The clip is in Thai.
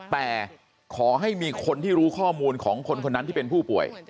แต่ขอให้มีคนที่รู้ข้อมูลของคนคนนั้นที่เป็นผู้ป่วย